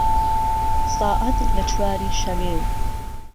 ساعهت له چواری شهوێ